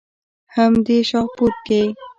هم دې شاهپور کښې